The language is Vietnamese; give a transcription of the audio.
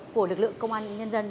của lực lượng công an nhân dân